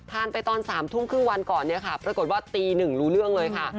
ทานไปตอน๓ทุ่งครึ่งวันก่อนปรากฏว่าเป็นตีหนึ่งรู้เรื่องเลยค่ะ